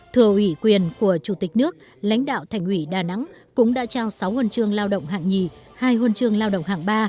thừa ủy quyền của chủ tịch nước lãnh đạo thành ủy đà nẵng cũng đã trao sáu huân chương lao động hạng nhì hai huân chương lao động hạng ba